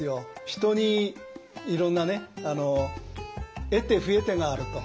人にいろんなね得手不得手があると。